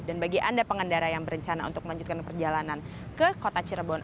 dan bagi anda pengendara yang berencana untuk melanjutkan perjalanan ke kota cirebon